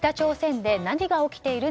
北朝鮮で何が起きている？